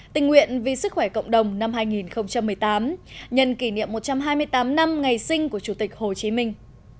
tình nguyện vì sức khỏe cộng đồng năm hai nghìn một mươi tám nhân kỷ niệm một trăm hai mươi tám năm ngày sinh của chủ tịch hồ chí minh